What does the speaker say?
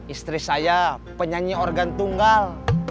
istri saya penyanyi organ tunggal